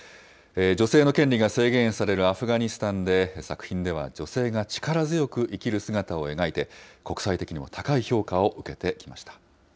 女性の権利が制限されるアフガニスタンで、作品では女性が力強く生きる姿を描いて、国際的にも高い評価を受けていました。